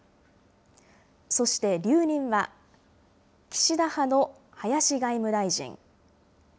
そして留任は、岸田派の林外務大臣。